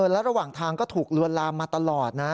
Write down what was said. และระหว่างทางก็ถูกลวนลามมาตลอดนะ